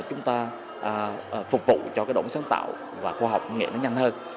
thì chúng ta sẽ có thể tạo ra một hệ thống để chúng ta phục vụ cho cái động máy sáng tạo và khoa học công nghệ nó nhanh hơn